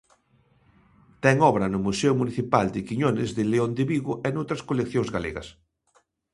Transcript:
Ten obra no Museo Municipal Quiñones de León de Vigo e noutras coleccións galegas.